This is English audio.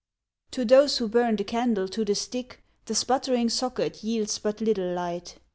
To those who burn the candle to the stick, The sputtering socket yields but little light.